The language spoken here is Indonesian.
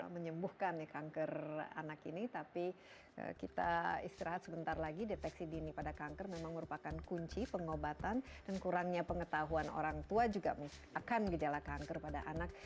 menyembuhkan ya kanker anak ini tapi kita istirahat sebentar lagi deteksi dini pada kanker memang merupakan kunci pengobatan dan kurangnya pengetahuan orang tua juga akan gejala kanker pada anak